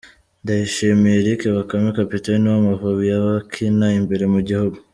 Ndayishimiye Eric Bakame kapiteni w'Amavubi y'abakina imbere mu gihugu.